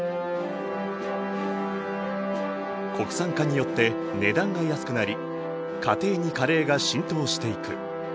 国産化によって値段が安くなり家庭にカレーが浸透していく。